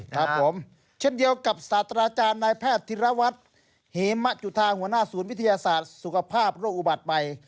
ครับผมเช่นเดียวกับศาสตราจารย์นายแพทย์ธิรวัตรเหมะจุธาหัวหน้าศูนย์วิทยาศาสตร์สุขภาพโรคอุบัติใหม่